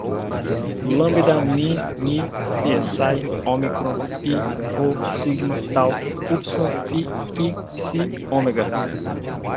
lambda, mi, ni, csi, ómicron, pi, rô, sigma, tau, úpsilon, fi, qui, psi, ômega